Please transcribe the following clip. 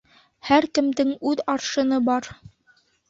Һәр кемдең үҙ аршыны бар.